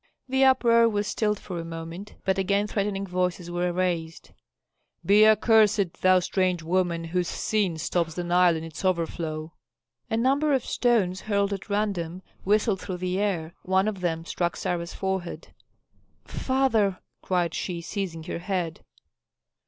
The uproar was stilled for a moment, but again threatening voices were raised, "Be accursed, thou strange woman whose sin stops the Nile in its overflow!" A number of stones hurled at random whistled through the air; one of them struck Sarah's forehead. "Father!" cried she, seizing her head.